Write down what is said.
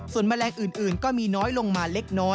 ส่วนแมลงอื่นก็มีน้อยลงมาเล็ก